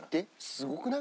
すごくない？